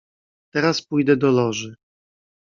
"Teraz pójdę do Loży."